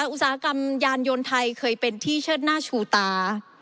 อุตสาหกรรมยานยนต์ไทยเคยเป็นที่เชิดหน้าชูตา